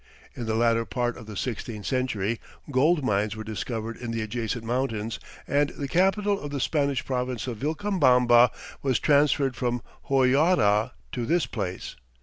In the latter part of the sixteenth century, gold mines were discovered in the adjacent mountains and the capital of the Spanish province of Vilcabamba was transferred from Hoyara to this place.